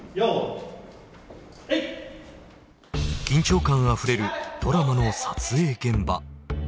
緊張感あふれるドラマの撮影現場。